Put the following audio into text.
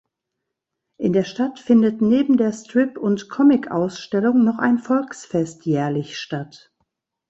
In der Stadt findet neben der Strip- und Comic-Ausstellung noch ein Volksfest jährlich statt.